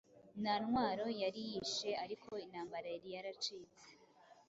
Nta ntwaro yari yishe ariko intambara yaracitse